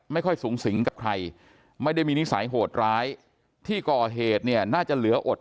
ไม่ค่อยสูงสิงกับใครไม่ได้มีนิสัยโหดร้ายที่ก่อเหตุเนี่ยน่าจะเหลืออด